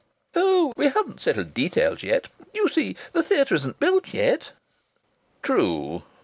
"Oh! We haven't settled details yet. You see the theatre isn't built yet." "True!"